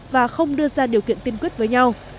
và không đưa ra điều kiện tiên quyết với nhau